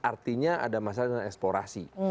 artinya ada masalah dengan eksplorasi